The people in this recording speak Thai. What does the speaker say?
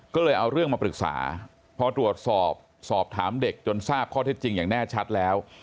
ก็เลยเอาเรื่องมาปรึกษาพอตรวจสอบสอบถามเด็กจนทราบข้อเท็จจริงอย่างแน่ชัดแล้ว